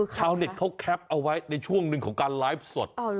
ชาวแข็พเอาไว้ในช่วงหนึ่งการไล่สด